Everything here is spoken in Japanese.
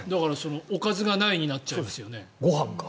おかずがないになっちゃいますよね。